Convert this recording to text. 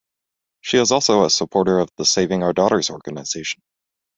She is also a supporter of the Saving our Daughters organization.